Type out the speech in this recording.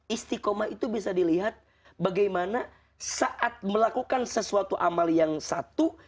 istiqomah itu bisa dilihat bagaimana saat melakukan sesuatu amal yang satu